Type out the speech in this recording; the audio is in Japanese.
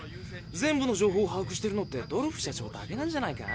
全部の情報をはあくしてるのってドルフ社長だけなんじゃないか？